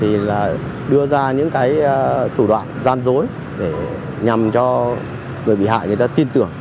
thì là đưa ra những cái thủ đoạn gian dối để nhằm cho người bị hại người ta tin tưởng